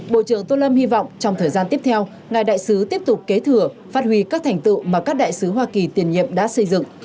bộ trưởng tô lâm hy vọng trong thời gian tiếp theo ngài đại sứ tiếp tục kế thừa phát huy các thành tựu mà các đại sứ hoa kỳ tiền nhiệm đã xây dựng